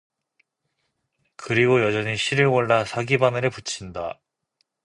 그리고 여전히 실을 골라 사기바늘에 붙인다.